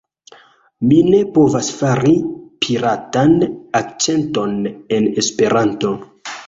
Mi ne povas fari piratan akĉenton en Esperanto